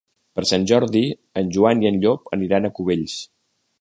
Per Sant Jordi en Joan i en Llop aniran a Cubells.